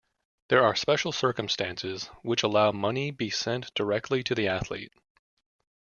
There are special circumstances which allow money be sent directly to the athlete.